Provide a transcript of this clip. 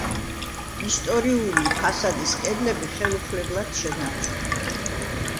ისტორიული ფასადის კედლები ხელუხლებლად შენარჩუნდა.